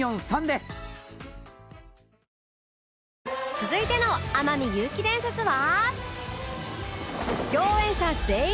続いての天海祐希伝説は